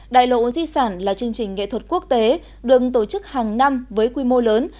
đại lộ di sản là chương trình nghệ thuật quốc tế đường tổ chức hàng năm với quy mô lớn